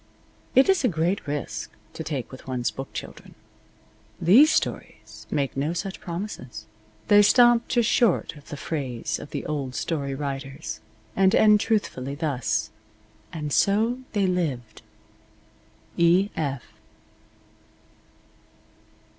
It is a great risk to take with one's book children. These stories make no such promises. They stop just short of the phrase of the old story writers, and end truthfully, thus: And so they lived. E. F.